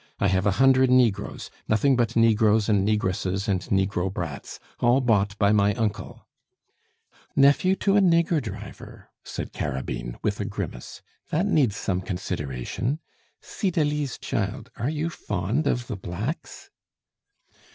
I have a hundred negroes nothing but negroes and negresses and negro brats, all bought by my uncle " "Nephew to a nigger driver," said Carabine, with a grimace. "That needs some consideration. Cydalise, child, are you fond of the blacks?"